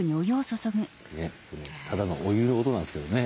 ただのお湯の音なんですけどね。